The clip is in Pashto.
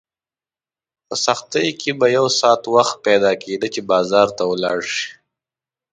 په سختۍ به یو ساعت وخت پیدا کېده چې بازار ته ولاړ شې.